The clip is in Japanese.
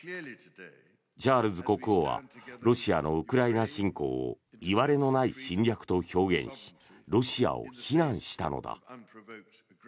チャールズ国王はロシアのウクライナ侵攻をいわれのない侵略と表現しロシアを非難したのだ。